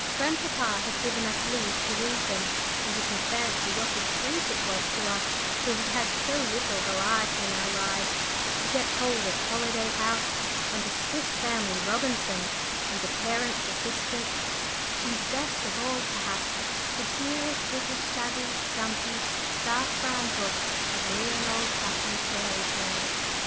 Grandpapa had given us leave to read them, and you can fancy what a treat it was to us, who had had so little variety in our lives, to get hold of Holiday House, and the Swiss Family Robinson, and the Parent's Assistant, and best of all perhaps, the dearest little shabby, dumpy, dark brown book of real old fashioned fairy tales.